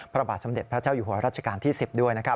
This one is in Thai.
พระบาทสมเด็จพระเจ้าอยู่หัวรัชกาลที่๑๐ด้วยนะครับ